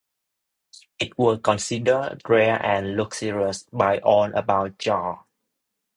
It was considered "rare and luxurious" by All About Jazz.